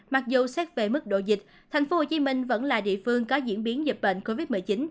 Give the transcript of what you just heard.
mặc dù xét về mức độ dịch tp hcm vẫn là địa phương có diễn biến dịch bệnh covid một mươi chín